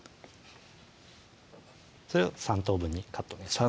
それを３等分にカットお願いします